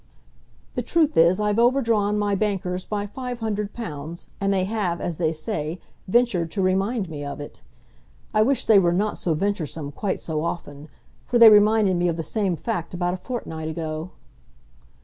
"The truth is I have overdrawn my bankers by five hundred pounds, and they have, as they say, ventured to remind me of it. I wish they were not venturesome quite so often; for they reminded me of the same fact about a fortnight ago."